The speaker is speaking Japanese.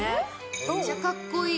めっちゃかっこいい。